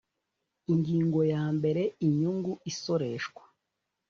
Ingingo yambere Inyungu isoreshwa